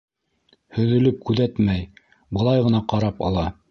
Һөҙөлөп күҙәтмәй, былай ғына ҡарап ала.